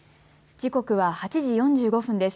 時刻は８時４５分です。